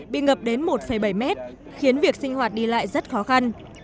bị ngập đến một bảy mét khiến việc sinh hoạt đi lại rất khó khăn